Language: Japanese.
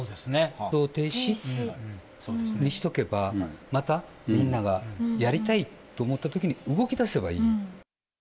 活動停止にしとけば、またみんながやりたいと思ったときに動きだせばいい。